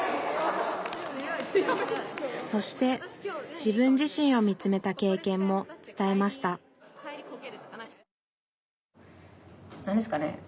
そして自分自身を見つめた経験も伝えました何ですかね